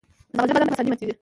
کاغذي بادام په اسانۍ ماتیږي.